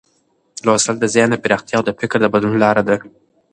لوستل د ذهن د پراختیا او د فکر د بدلون لار ده.